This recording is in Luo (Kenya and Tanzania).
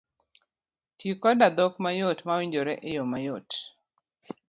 Tii koda dhok mayot mawinjore eyo mayot